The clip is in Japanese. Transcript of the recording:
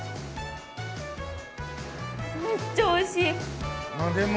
めっちゃおいしい。